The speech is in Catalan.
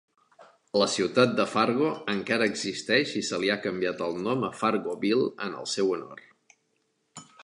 La ciutat de Fargo encara existeix i se li ha canviat el nom a Fargoville en el seu honor.